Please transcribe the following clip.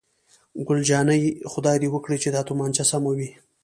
ګل جانې: خدای دې وکړي چې دا تومانچه سمه وي.